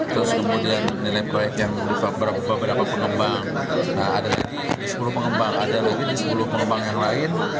terus kemudian nilai proyek yang di beberapa pengembang ada lagi sepuluh pengembang ada lagi di sepuluh pengembang yang lain